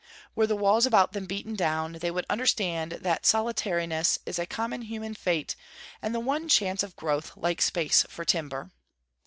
Were the walls about them beaten down, they would understand that solitariness is a common human fate and the one chance of growth, like space for timber.'